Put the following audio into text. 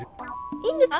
いいんですか？